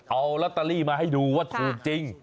เอาลอตเตอรี่มาให้ดูว่าถูกจริง